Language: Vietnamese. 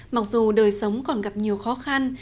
mặc dù đời sống còn gặp nhiều khó khăn